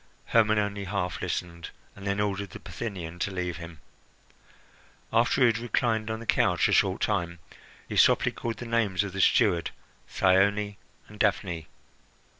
Hermon only half listened, and then ordered the Bithynian to leave him. After he had reclined on the couch a short time, he softly called the names of the steward, Thyone, and Daphne.